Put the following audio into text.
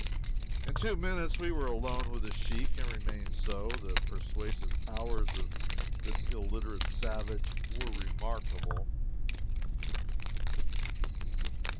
In two minutes we were alone with the sheik, and remained so. The persuasive powers of this illiterate savage were remarkable.